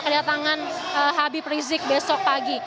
kedatangan habib rizik besok pagi